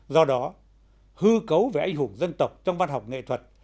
do đó hư cấu về anh hùng dân tộc trong văn học nghệ thuật